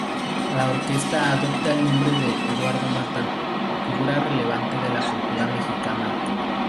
La orquesta adopta el nombre de Eduardo Mata, figura relevante de la cultura mexicana.